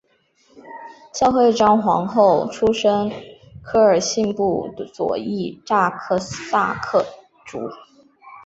孝惠章皇后出身科尔沁部左翼扎萨克家族。